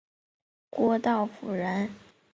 郭道甫人。